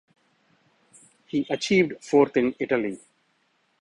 He achieved fourth in Italy.